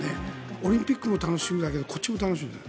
オリンピックも楽しみだけどこっちも楽しみですね。